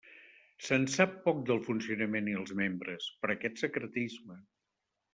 Se'n sap poc del funcionament i els membres, per aquest secretisme.